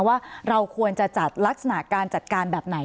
ว่าเราควรจะจัดลักษณะการจัดการแบบไหน